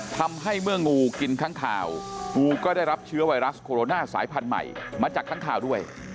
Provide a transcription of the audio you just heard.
ทำให้เมื่องูกินค้างข่าวงูก็ได้รับเชื้อไวรัสโคโรนาสายพันธุ์ใหม่มาจากค้างข่าวด้วย